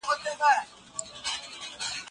شومپټر اقتصادي پرمختيا څنګه بيانوي؟